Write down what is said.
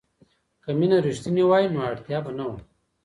که مینه رښتینې وای نو اړتیا به نه وه.